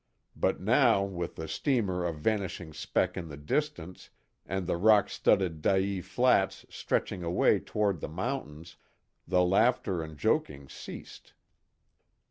But now, with the steamer a vanishing speck in the distance and the rock studded Dyea Flats stretching away toward the mountains, the laughter and joking ceased.